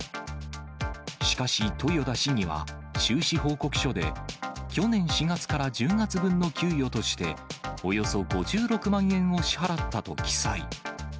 しかし、豊田市議は、収支報告書で、去年４月から１０月分の給与として、およそ５６万円を支払ったと記載。